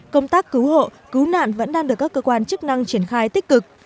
công tác cứu hộ cứu nạn vẫn đang được các cơ quan chức năng triển khai tích cực